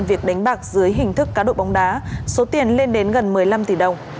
việc đánh bạc dưới hình thức cá độ bóng đá số tiền lên đến gần một mươi năm tỷ đồng